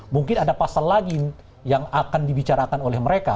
mungkin ada pasal lagi yang akan dibicarakan oleh mereka